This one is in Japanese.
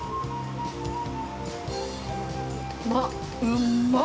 うまっ。